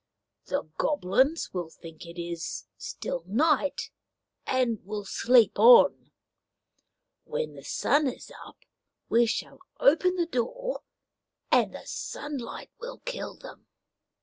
The Goblins will think it is still night and will sleep on. When the sun is up we shall open the door, and the sunlight will kill them."